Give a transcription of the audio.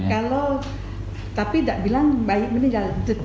kalau tapi tidak bilang bayi meninggal